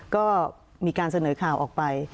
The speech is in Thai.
ก็มีการเสนอข่าวออกไป